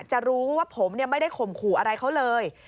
จะรู้ว่าผมไม่ได้ข่มขู่อะไรเขาเลย